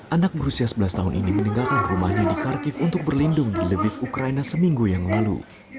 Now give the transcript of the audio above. anak berusia sebelas tahun ini meninggalkan rumahnya di kharkiv untuk berlindung di lebik ukraina seminggu yang lalu